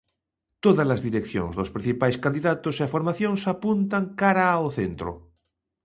Tódalas direccións dos principais candidatos e formacións apuntan cara ao centro.